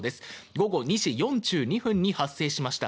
午後２時４２分に発生しました。